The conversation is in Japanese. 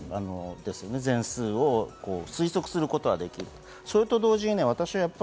全数を推測することができると同時に、